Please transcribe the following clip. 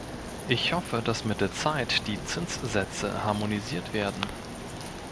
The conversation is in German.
Ich hoffe, dass mit der Zeit die Zinssätze harmonisiert werden.